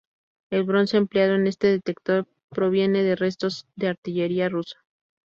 El bronce empleado en este detector proviene de restos de artillería rusa.